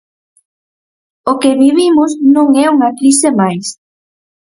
O que vivimos non é unha crise máis.